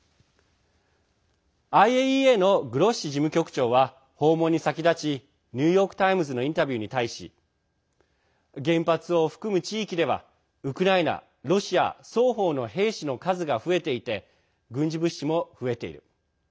ＩＡＥＡのグロッシ事務局長は訪問に先立ちニューヨーク・タイムズのインタビューに対し原発を含む地域ではウクライナ、ロシア双方の兵士の数が増えていて軍事物資も増えている。